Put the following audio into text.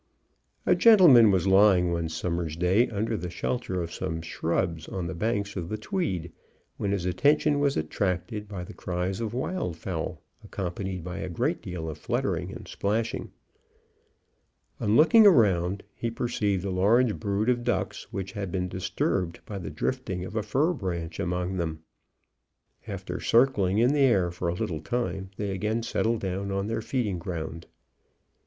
A gentleman was lying one summer's day under the shelter of some shrubs on the banks of the Tweed, when his attention was attracted by the cries of wild fowl, accompanied by a great deal of fluttering and splashing. On looking round, he perceived a large brood of ducks, which had been disturbed by the drifting of a fir branch among them. After circling in the air for a little time, they again settled down on their feeding ground.